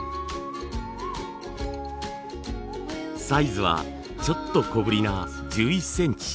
サイズはちょっと小ぶりな１１センチ。